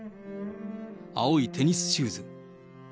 青いテニスシューズ。